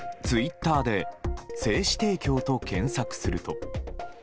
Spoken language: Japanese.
ツイッターで精子提供と検索すると。